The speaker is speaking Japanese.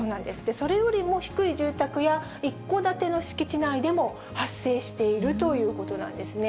それよりも低い住宅や、一戸建ての敷地内でも発生しているということなんですね。